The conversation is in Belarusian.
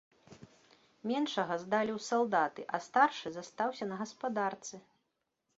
Меншага здалі ў салдаты, а старшы застаўся на гаспадарцы.